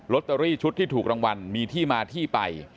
ตเตอรี่ชุดที่ถูกรางวัลมีที่มาที่ไป